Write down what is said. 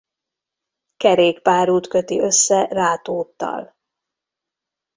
Kerékpárút köti össze Rátóttal.